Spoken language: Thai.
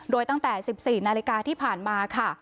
โดยตั้งแต่๑๔นาฬิกาที่ผ่านมาค่ะ